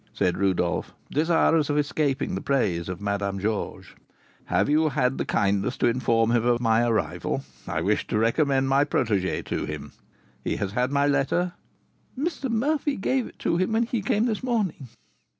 said Rodolph, desirous of escaping the praise of Madame Georges; "have you had the kindness to inform him of my arrival? I wish to recommend my protégée to him. He has had my letter?" "Mr. Murphy gave it to him when he came this morning."